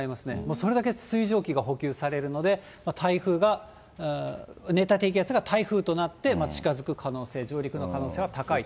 それだけ水蒸気が補給されるので、熱帯低気圧が台風となって、近づく可能性、上陸の可能性は高いと。